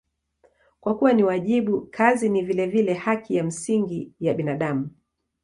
Kwa kuwa ni wajibu, kazi ni vilevile haki ya msingi ya binadamu.